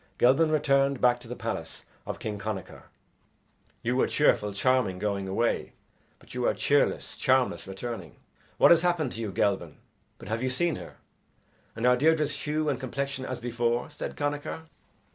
Gelban returned back to the palace of King Connachar. "You were cheerful, charming, going away, but you are cheerless, charmless, returning. What has happened to you, Gelban? But have you seen her, and are Deirdre's hue and complexion as before?" said Connachar.